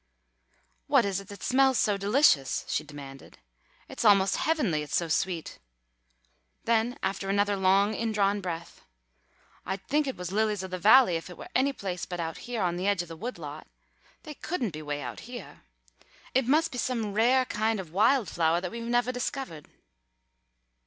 "What is it that smells so delicious?" she demanded. "It's almost heavenly, it's so sweet." Then after another long indrawn breath, "I'd think it was lilies of the valley if it were any place but out heah on the edge of the wood lot. They couldn't be way out heah. It must be some rare kind of wild flowah we've nevah discovered."